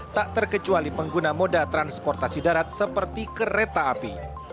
tak terkecuali pengguna moda transportasi darat seperti kereta api